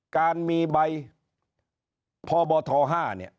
การมีใบพบท๕เนี่ย